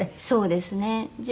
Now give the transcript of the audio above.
そうですね。